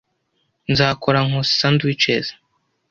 Nzakora Nkusi sandwiches.